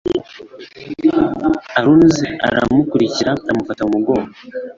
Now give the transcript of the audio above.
Aruns aramukurikira amufata mu mugongo